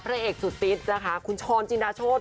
พระเอกสุดสิทธิ์นะคะคุณโชนจินดาโชด